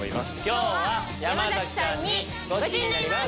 今日は山さんにゴチになります！